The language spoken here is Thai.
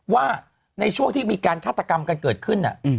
ว่าในช่วงที่มีการฆาตกรรมกันเกิดขึ้น